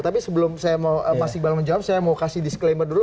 tapi sebelum saya mau mas iqbal menjawab saya mau kasih disclaimer dulu